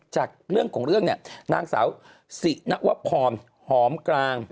จากเรื่องของเรื่องเนี่ยนางสาวสินวพรหอมกลาง